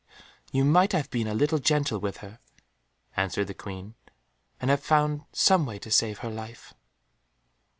"You might have been a little gentle with her," answered the Queen, "and have found some way to save her life."